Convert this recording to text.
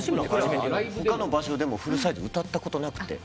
他の場所でもフルサイズ歌ったことなくて。